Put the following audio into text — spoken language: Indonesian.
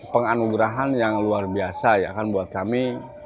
penganugerahan yang luar biasa ya kan buat kami